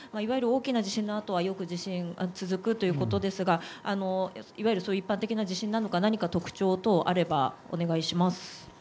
大きな地震のあとよく地震続くということですがいわゆる一般的な地震なのか何か特徴等あればお願いします。